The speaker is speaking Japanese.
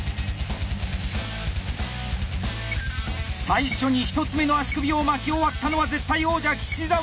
最初に１つ目の足首を巻き終わったのは絶対王者岸澤。